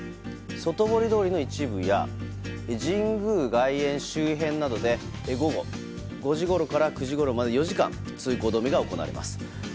外堀通りの一部や神宮外苑周辺などで午後５時ごろから９時ごろまで４時間通行止めが行われます。